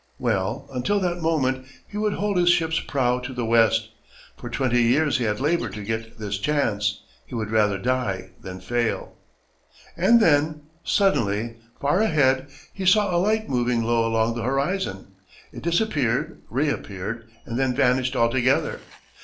Well, until that moment, he would hold his ship's prow to the west! For twenty years he had labored to get this chance; he would rather die than fail. And then, suddenly, far ahead, he saw a light moving low along the horizon. It disappeared, reappeared, and then vanished altogether.